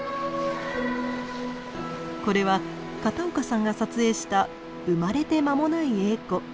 これは片岡さんが撮影した生まれて間もないエーコ。